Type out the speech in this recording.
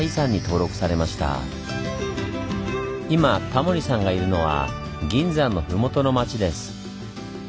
今タモリさんがいるのは銀山のふもとの町です。